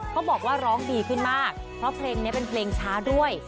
บอกว่าร้องดีขึ้นมากเพราะเพลงนี้เป็นเพลงช้าด้วย